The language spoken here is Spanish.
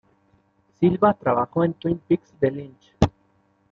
Silva trabajó en Twin Peaks, de Lynch.